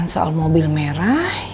aku mau cari obat obatan